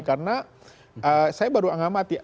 karena saya baru angamat